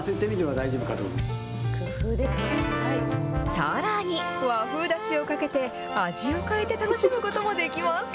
さらに和風だしをかけて、味を変えて楽しむこともできます。